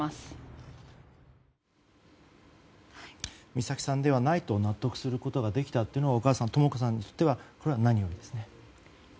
美咲さんではないと納得できたということはお母さんのとも子さんにとってこれは何よりですね。